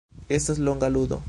Estas longa ludo.